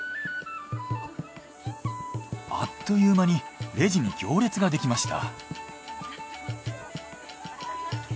あっという間にレジに行列ができました。